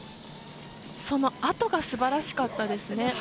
そのあとがすばらしかったですね。